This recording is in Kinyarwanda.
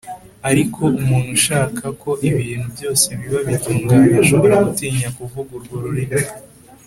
Ariko umuntu ushaka ko ibintu byose biba bitunganye ashobora gutinya kuvuga urwo rurimi